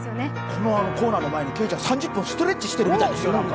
このコーナーの前にけいちゃん、３０分ストレッチしてるみたいですよ。